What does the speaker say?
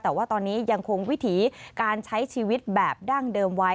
แต่ว่าตอนนี้ยังคงวิถีการใช้ชีวิตแบบดั้งเดิมไว้